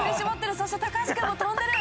そして橋君も跳んでる。